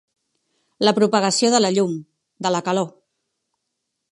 La propagació de la llum, de la calor.